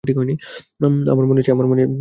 আমার মনে আছে।